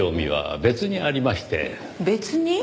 別に？